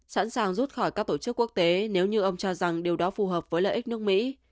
sẵn sàng rút khỏi các tổ chức quốc tế nếu như ông cho rằng điều đó phù hợp với lợi ích nước mỹ